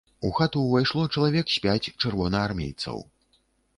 У хату ўвайшло чалавек з пяць чырвонаармейцаў.